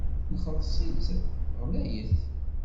Nxelleṣ-itt ɣlayet.